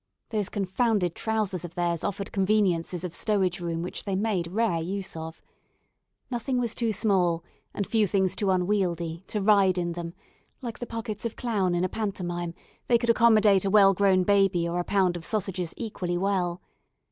Those confounded trowsers of theirs offered conveniences of stowage room which they made rare use of. Nothing was too small, and few things too unwieldy, to ride in them; like the pockets of clown in a pantomime, they could accommodate a well grown baby or a pound of sausages equally well.